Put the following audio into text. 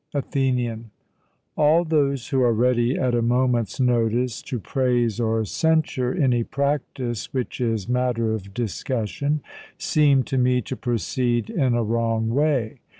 ATHENIAN: All those who are ready at a moment's notice to praise or censure any practice which is matter of discussion, seem to me to proceed in a wrong way.